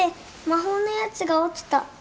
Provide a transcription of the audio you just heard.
魔法のやつが落ちた。